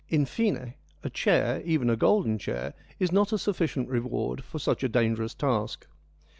In fine, a chair, even a golden chair, is not a sufficient reward for such a dangerous task.